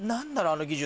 あの技術。